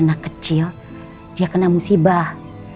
anak kecil dia kena musibah